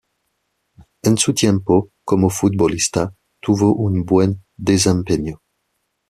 En su tiempo como futbolista, tuvo un buen desempeño.